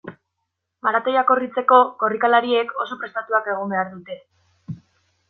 Maratoia korritzeko, korrikalariek oso prestatuak egon behar dute.